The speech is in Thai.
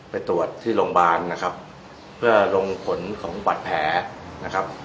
ไปตรวจที่โรงพยาบาลนะครับเพื่อลงผลของบัตรแผลนะครับ